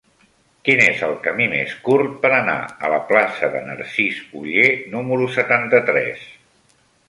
Quin és el camí més curt per anar a la plaça de Narcís Oller número setanta-tres?